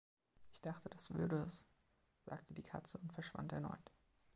„Ich dachte, das würde es“, sagte die Katze und verschwand erneut.